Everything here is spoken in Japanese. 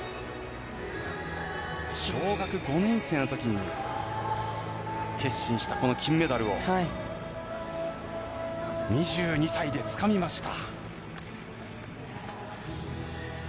小学５年生の時に決心したこの金メダルを２２歳でつかみました。